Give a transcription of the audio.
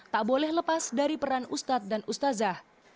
tak boleh lepas dari peran ustadz dan ustazah